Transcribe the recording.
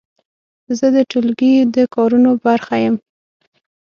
زه د ټولګي د کارونو برخه یم.